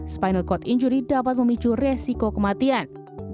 spinal cord injury dapat memicu resiko kematian